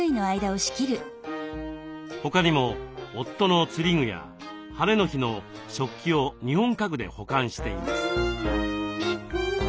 他にも夫の釣り具や晴れの日の食器を日本家具で保管しています。